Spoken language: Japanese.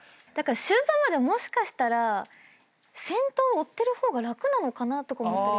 終盤まではもしかしたら先頭を追ってる方が楽なのかなとか思ったり。